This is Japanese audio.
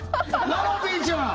ララピーちゃん